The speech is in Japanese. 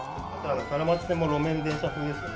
金町線も路面電車風ですよね。